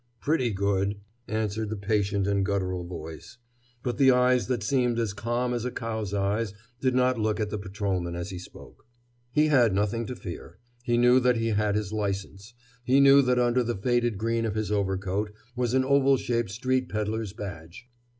"Pretty good," answered the patient and guttural voice. But the eyes that seemed as calm as a cow's eyes did not look at the patrolman as he spoke. He had nothing to fear. He knew that he had his license. He knew that under the faded green of his overcoat was an oval shaped street peddler's badge.